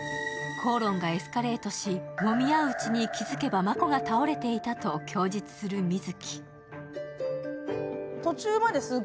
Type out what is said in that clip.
口論がエスカレートし、もみ合ううちに気づけば真子が倒れていたと供述する美月。